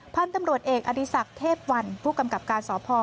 พันธุ์ตำรวจเอกอดีศักดิ์เทพวันผู้กำกับการสพ